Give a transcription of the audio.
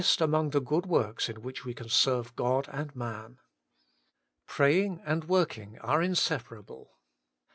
Working for God 151 among the good works in which we can serve God and man. Praying and working are inseparable.